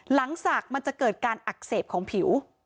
ศักดิ์มันจะเกิดการอักเสบของผิว